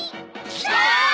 きた！！